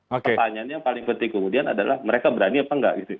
pertanyaannya yang paling penting kemudian adalah mereka berani apa enggak gitu